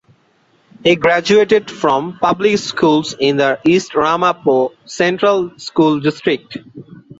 He graduated from public schools in the East Ramapo Central School District.